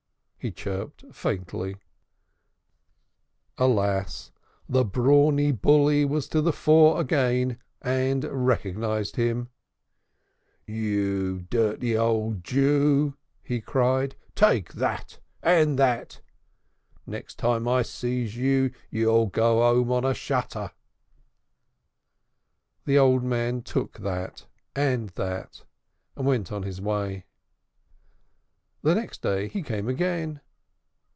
he chirped faintly. Alas! the brawny bully was to the fore again and recognized him. "You dirty old Jew," he cried. "Take that, and that! The next time I sees you, you'll go 'ome on a shutter." The old man took that, and that, and went on his way. The next day he came again.